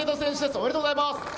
おめでとうございます。